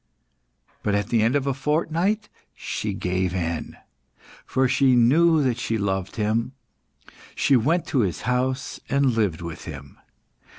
But at the end of a fortnight she gave in, for she knew that she loved him; she went to his house and lived with him.